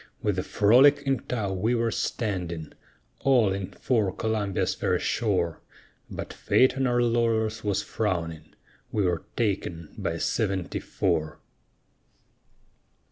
With the Frolic in tow, we were standing, All in for Columbia's fair shore; But fate on our laurels was frowning, We were taken by a seventy four.